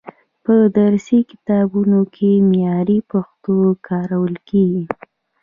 په درسي کتابونو کې معیاري پښتو کارول کیږي.